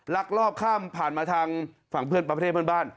ลักลอบข้ามผ่านมาทางฝั่งเพื่อนประเทศเพื่อนบ้าน